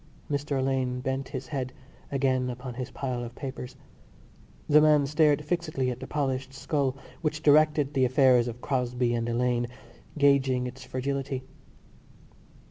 Mr Alleyne bent his head again upon his pile of papers. The man stared fixedly at the polished skull which directed the affairs of Crosbie & Alleyne, gauging its fragility.